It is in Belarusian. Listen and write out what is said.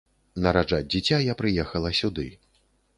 Нараджаць дзіця я прыехала сюды.